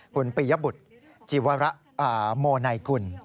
คุณปียบุตรจิวระโมไนกุล